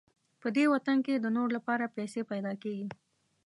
په دې وطن کې د نورو لپاره پیسې پیدا کېږي.